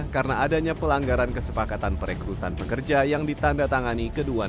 karena adanya pelanggaran kesepakatan perekrutan pekerja yang ditanda tangani kelebihan